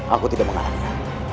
aku tidak mengalahinya